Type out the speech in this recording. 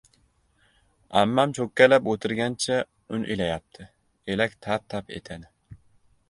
Ammam cho‘kkalab o‘tirgancha un elayapti. Elak tap-tap etadi.